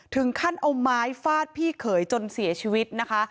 ถึงขั้นเอาไม้ฟาดพี่เขยจนเสียชีวิตนะคะ